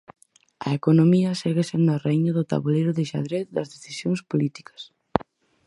A economía segue sendo a raíña do taboleiro de xadrez das decisións políticas.